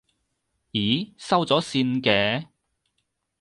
咦，收咗線嘅？